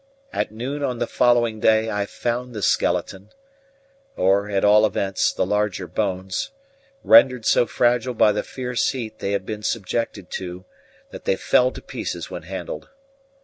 At noon on the following day I found the skeleton, or, at all events, the larger bones, rendered so fragile by the fierce heat they had been subjected to, that they fell to pieces when handled.